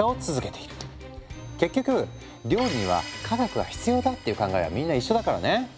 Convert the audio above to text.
結局料理には科学が必要だっていう考えはみんな一緒だからね。